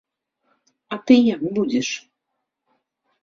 А ты як будзіш?